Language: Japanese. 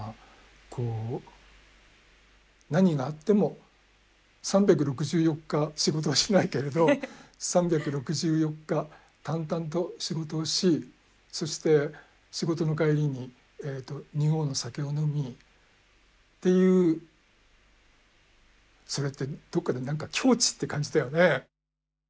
こう何があっても３６４日仕事はしないけれど３６４日淡々と仕事をしそして仕事の帰りに２合の酒を飲みっていうそれってどっかの何か境地って感じだよね。